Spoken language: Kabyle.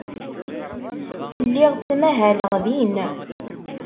Lliɣ ttmahaleɣ din.